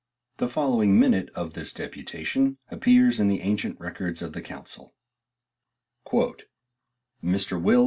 The following minute of this deputation appears in the ancient records of the council. "Mr. Will.